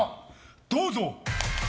どうぞ！